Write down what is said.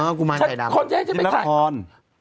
นี่คนจะให้ไปขายชิ้นละคร